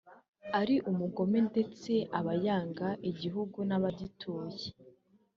ari umugome ndetse aba yanga igihugu n’abagituye